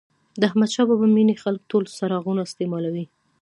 د احمدشاه بابا مېنې خلک ټول څراغونه استعمالوي.